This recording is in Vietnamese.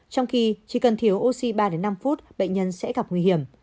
trong khi chỉ cần thiếu oxy ba năm phút bệnh nhân sẽ gặp nguy hiểm